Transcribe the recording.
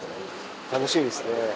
楽しみですね。